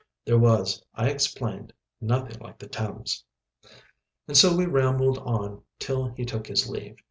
There was, I explained, nothing like the Thames. And so we rambled on till he took his leave.